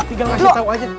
tinggal ngasih tau aja